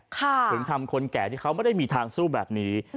ถึงทำคนแก่ที่เขาไม่ได้มีทางสู้แบบนี้